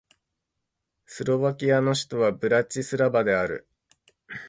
スロバキアの首都はブラチスラバである